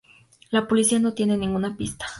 La policía no tiene ninguna pista.